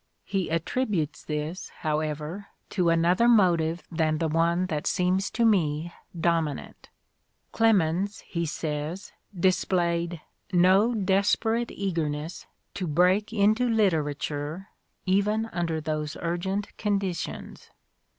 He attributes this, however, to another motive than the one that seems to me dominant. Clemens, he says, displayed "no desperate eagerness to' break into literature, even under those urgent condi tions.